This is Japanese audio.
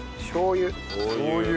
しょう油。